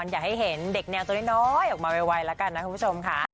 อยากให้เห็นเด็กแนวตัวน้อยออกมาไวแล้วกันนะคุณผู้ชมค่ะ